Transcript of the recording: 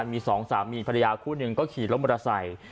มีสองสามีภรรยาคู่หนึ่งก็ขี่รถมอเตอร์ไซค์